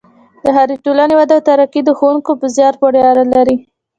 د هرې ټولنې وده او ترقي د ښوونکو په زیار پورې اړه لري.